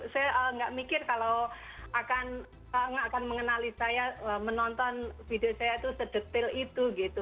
saya nggak mikir kalau nggak akan mengenali saya menonton video saya itu sedetail itu gitu